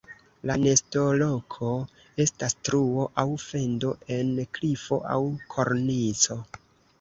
La nestoloko estas truo aŭ fendo en klifo aŭ kornico.